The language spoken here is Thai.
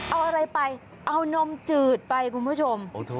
เอาอะไรไปเอานมจืดไปคุณผู้ชม